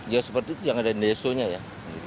ya seperti itu yang ada desonya ya